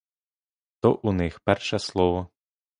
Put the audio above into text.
То у них перше слово.